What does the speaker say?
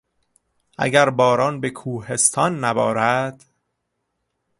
اگر باران به کوهستان نبارد...